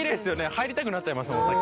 入りたくなっちゃいますもん。